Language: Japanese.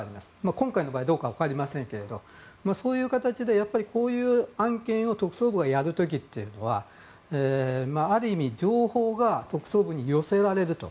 今回の場合どうか分かりませんがそういう形でこういう案件を特捜部がやる時っていうのはある意味情報が特捜部に寄せられると。